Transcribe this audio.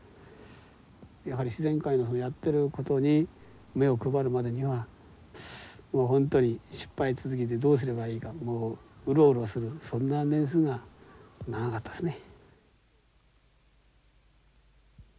やはり自然界のやってることに目を配るまでにはもう本当に失敗続きでどうすればいいかもううろうろするそんな年数が長かったですね。